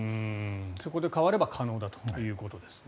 そこで変われば可能だということですね。